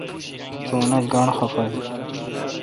تو انیت گاݨڈ خفہ این۔